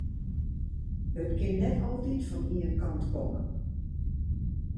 It kin net altyd fan ien kant komme.